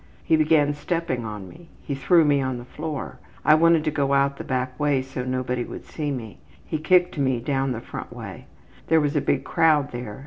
He began stepping on me. He threw me on the floor. I wanted to go out the back way so nobody would see me. He kicked me down the front way. There was a big crowd there.